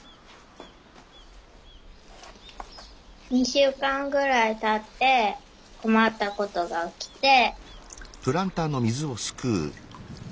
２週間ぐらいたってこまったことがおきて